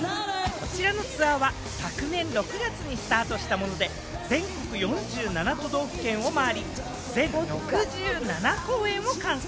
こちらのツアーは昨年６月にスタートしたもので、全国４７都道府県を回り、全６７公演を完走。